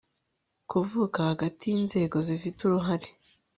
kuvuka hagati y inzego zifite uruhare